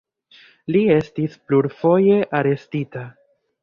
Li estis plurfoje arestita.